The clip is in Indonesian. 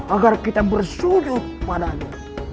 agar kita bersuduh padanya